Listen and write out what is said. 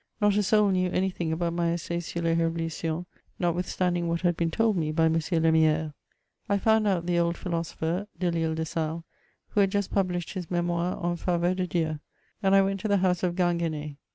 Not a soul knew any thing about my Essai sur Us JievolutionSy notwithstanding what had been told me by M. Lemiere. I found out the old philosopher, Delisle de Sales, who had just published his Mdtnoire en Faveur de Dieu ; and 1 went to the house of Ginguen6.